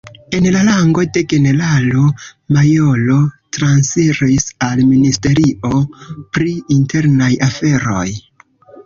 En la rango de generalo-majoro transiris al Ministerio pri Internaj Aferoj.